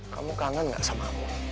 kamu kangen gak sama aku